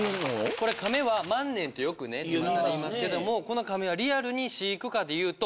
これ亀は万年とよくね巷で言いますけどもこのカメはリアルに飼育下でいうと。